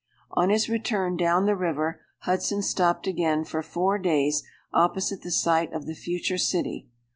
On his return down the river, Hudson stopped again for four days opposite the site of the future city.